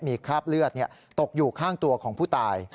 มีคราบเลือดตกอยู่ข้างตัวของผู้ตาย